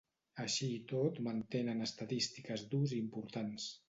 Així i tot mantenen estadístiques d'ús importants.